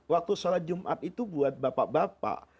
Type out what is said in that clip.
waktu sholat jumat itu buat bapak bapak